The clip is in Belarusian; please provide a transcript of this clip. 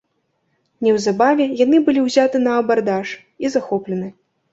Неўзабаве яны былі ўзяты на абардаж і захоплены.